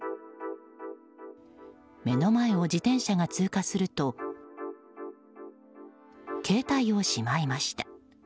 目の前を自転車が通過すると携帯をしまいました。